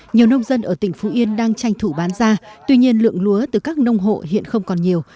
nhiều nông dân ở tỉnh phú yên đang tranh thủ bán ra tuy nhiên lượng lúa từ các nông hộ hiện không còn nhiều